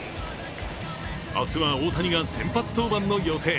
明日は大谷が先発登板の予定。